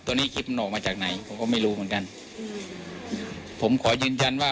ผมขอยืนยันว่าไม่ใช่เสียงผมแน่นอนครับ